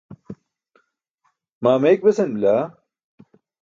maa meyik besan bila.